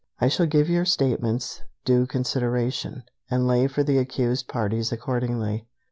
I shall give your statements due consideration, and lay for the accused parties accordingly.